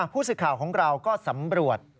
ผู้สื่อข่าวของเราก็สำรวจ